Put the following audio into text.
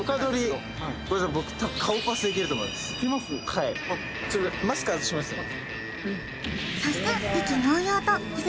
はいマスク外しますね